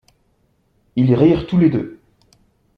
Ils rirent tous les deux.